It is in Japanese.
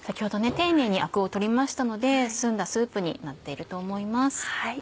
丁寧にアクを取りましたので澄んだスープになっていると思います。